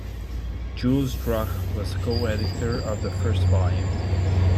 Jules Drach was co-editor of the first volume.